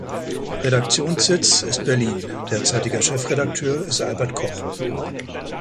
Redaktionssitz ist Berlin, derzeitiger Chefredakteur ist Albert Koch.